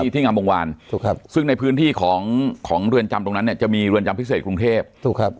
ทั้งที่ของของเรือนจำตรงนั้นเนี้ยจะมีเรือนจำพิเศษกรุงเทพฯถูกครับ